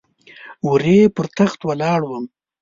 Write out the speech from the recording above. هورې پر تخت ولاړه وم .